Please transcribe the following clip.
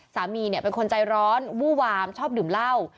สามีเป็นคนใจร้อนวู้วามชอบดื่มเหล้า